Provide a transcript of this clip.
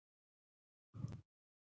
د ظالم پر وړاندې دریدل د پښتون خصلت دی.